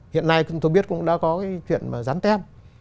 hiện nay tôi biết cũng đã có chuyện rắn tem